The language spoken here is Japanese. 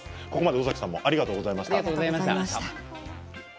尾崎さん、ここまでありがとうございました。